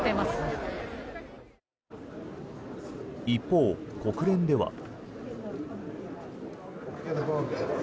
一方、国連では。